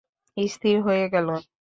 স্থির হয়ে গেল।